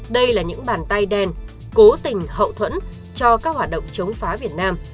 đây là những bàn tay đen cố tình hậu thuẫn cho các hoạt động chống phá việt nam